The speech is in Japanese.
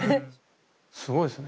すごいですね。